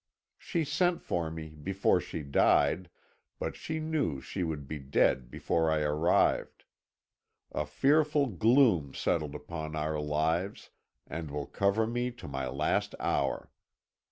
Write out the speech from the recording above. She sent for me before she died, but she knew she would be dead before I arrived. A fearful gloom settled upon our lives, and will cover me to my last hour.